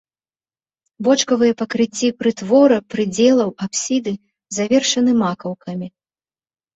Бочкавыя пакрыцці прытвора, прыдзелаў, апсіды завершаны макаўкамі.